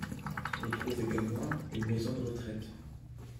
On y trouve également une maison de retraite.